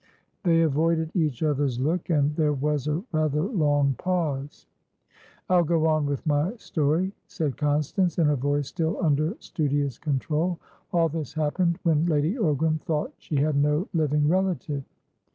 They avoided each other's look, and there was a rather long pause. "I'll go on with my story," said Constance, in a voice still under studious control. "All this happened when Lady Ogram thought she had no living relative.